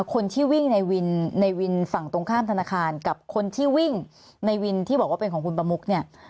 คนที่วิ่งในวินในวินฝั่งตรงข้ามธนาคารกับคนที่วิ่งในวินที่บอกว่าเป็นของคุณประมุกเนี่ย